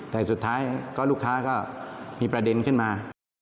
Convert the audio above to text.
แต่สุดท้ายก็ลูกค้าก็มีประเด็นขึ้นมา